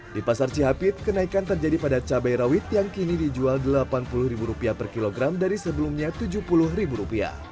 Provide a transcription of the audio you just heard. di pasar cihapit kenaikan terjadi pada cabai rawit yang kini dijual rp delapan puluh per kilogram dari sebelumnya rp tujuh puluh